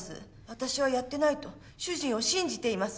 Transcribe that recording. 私はやってないと主人を信じています